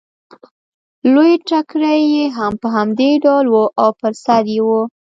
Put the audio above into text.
لوی ټکری یې هم په همدې ډول و او پر سر یې و